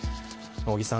尾木さん